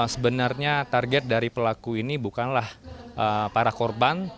sebenarnya target dari pelaku ini bukanlah para korban